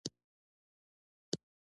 مالټې د بدن انرژي زیاتوي.